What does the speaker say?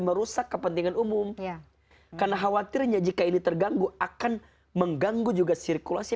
merusak kepentingan umum karena khawatirnya jika ini terganggu akan mengganggu juga sirkulasi